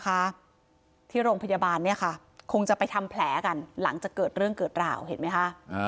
น่าจะเป็นแม่ที่โรงพยาบาลจะไปทำแผลกันหลังจากเกิดเรื่องเกิดราวเห็นมั้ยค่ะ